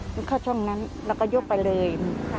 มันเข้าช่องนั้นแล้วก็ยกไปเลย